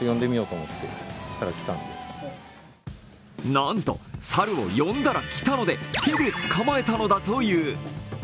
なんと猿を呼んだら来たので手で捕まえたのだという。